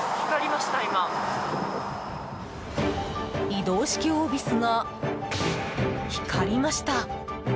移動式オービスが光りました！